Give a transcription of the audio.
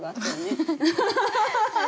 アハハハハ！